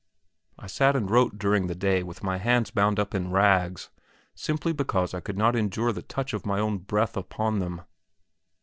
I sat and wrote during the day with my hands bound up in rags, simply because I could not endure the touch of my own breath upon them.